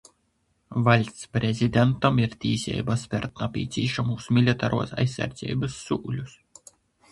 Vaļsts Prezidentam ir tīseiba spert napīcīšamūs militaruos aizsardzeibys sūļus,